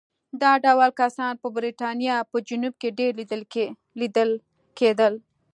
دا ډول کسان په برېټانیا په جنوب کې ډېر لیدل کېدل.